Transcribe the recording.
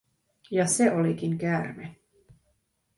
Ja se olikin käärme.